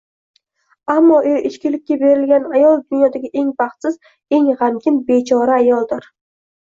Ammo eri ichkilikka berilgan ayol dunyodagi eng baxtsiz, eng g‘amgin, bechora ayoldir.